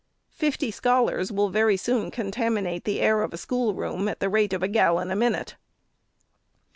Fifty scholars will very soon contaminate the air of a schoolroom at the rate of a gallon a minute.